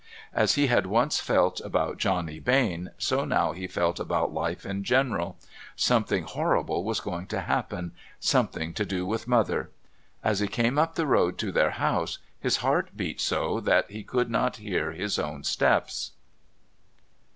As he had once felt about Johnny Bain so now he felt about life in general. Something horrible was going to happen.... Something to do with Mother.... As he came up the road to their house his heart beat so that he could not hear his own steps.